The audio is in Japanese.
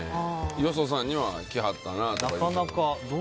よそさんには来はったなとか。